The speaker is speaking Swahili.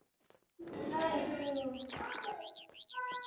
hali kadhalika kuhakikisha kunakuwa na uzalishaji kwa kiwango cha juu